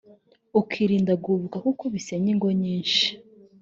ukirinda guhubuka kuko bisenya ingo nyinshi”